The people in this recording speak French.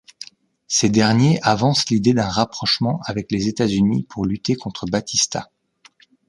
Ces derniers avancent l'idée d'un rapprochement avec les États-Unis pour lutter contre Batista.